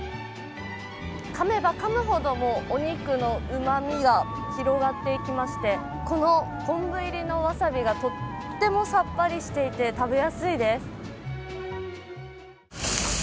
かめばかむほど、お肉のうまみが広がっていきましてこの昆布入りのわさびがとってもさっぱりしていて食べやすいです。